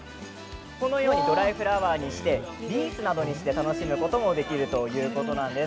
このようにドライフラワーにしてリースなどにして楽しむこともできるということなんです。